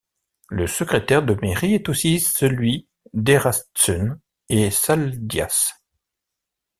Le secrétaire de mairie est aussi celui d'Eratsun et Saldias.